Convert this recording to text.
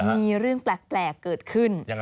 มีเรื่องแปลกเกิดขึ้น